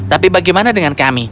tapi bagaimana dengan kami